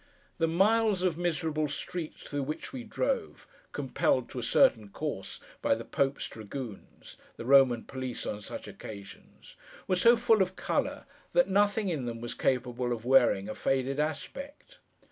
The miles of miserable streets through which we drove (compelled to a certain course by the Pope's dragoons: the Roman police on such occasions) were so full of colour, that nothing in them was capable of wearing a faded aspect.